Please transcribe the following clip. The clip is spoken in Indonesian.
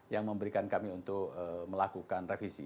yang memberikan kami untuk melakukan revisi